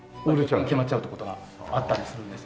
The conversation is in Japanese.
決まっちゃうって事があったりするんですよ。